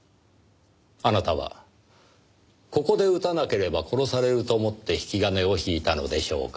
あなたはここで撃たなければ殺されると思って引き金を引いたのでしょうか？